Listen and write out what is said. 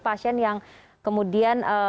pasien yang kemudian